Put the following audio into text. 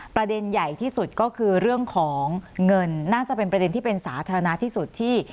ประเด็นใหญ่ที่สุดก็คือเรื่องของเงินน่าจะเป็นประเด็นที่เป็นสาธารณะที่สุดที่